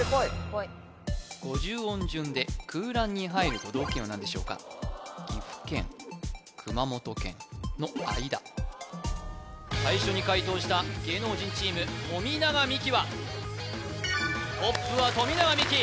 ５０音順で空欄に入る都道府県は何でしょうか岐阜県熊本県の間最初に解答した芸能人チーム富永美樹はトップは富永美樹